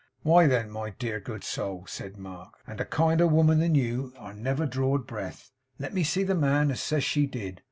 'Why, then, my dear good soul,' said Mark, 'and a kinder woman than you are never drawed breath let me see the man as says she did!